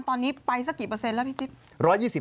ตอนนี้ไปสักกี่เปอร์เซ็นแล้วพี่จิ๊บ